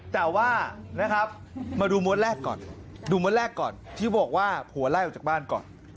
แต่ว่านะครับมาดูม้วนแรกก่อนดูม้วนแรกก่อนที่บอกว่าผัวไล่ออกจากบ้านก่อน